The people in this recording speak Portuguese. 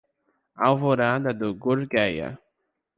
Alvorada do Gurgueia